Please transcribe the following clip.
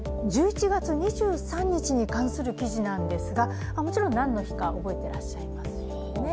１１月２３日に関する記事なんですがもちろん、何の日か覚えてらっしゃいますよね？